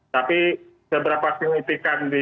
tapi seberapa penyimpikan dia